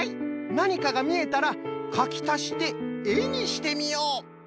なにかがみえたらかきたしてえにしてみよう。